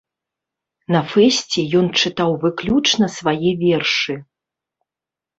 На фэсце ён чытаў выключна свае вершы.